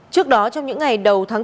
trước đó trong những ngày đầu tháng chín